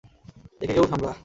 একে কেউ সামলা।